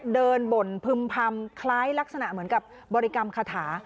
บ่นพึ่มพำคล้ายลักษณะเหมือนกับบริกรรมคาถา